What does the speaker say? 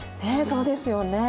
そうですよね。